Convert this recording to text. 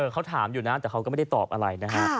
เขาถามอยู่นะแต่เขาก็ไม่ได้ตอบอะไรนะฮะ